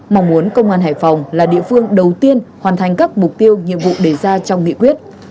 mong muốn công an hải phòng là địa phương đầu tiên hoàn thành các mục tiêu nhiệm vụ đề ra trong nghị quyết